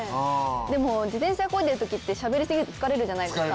でも自転車漕いでる時ってしゃべり過ぎると疲れるじゃないですか。